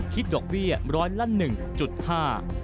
ที่ดอกเวียร้อยละ๑๕